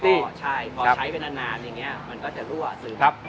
ใช่พอใช้เป็นอันนานอย่างนี้มันก็จะรั่วซื้อมาหมด